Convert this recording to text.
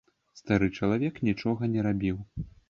Стары чалавек нічога не рабіў.